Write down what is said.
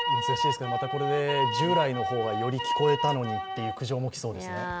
これで従来の方がより聞こえたのにっていう苦情も来そうですね。